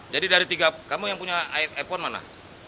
jadi dari tiga kamu yang punya iphone mana